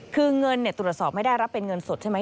คือเงินตรวจสอบไม่ได้รับเป็นเงินสดใช่ไหม